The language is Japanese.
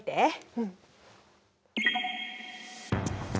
うん。